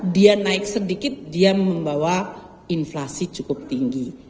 dia naik sedikit dia membawa inflasi cukup tinggi